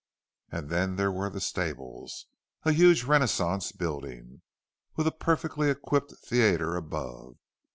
And then there were the stables; a huge Renaissance building, with a perfectly equipped theatre above.